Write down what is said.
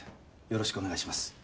よろしくお願いします。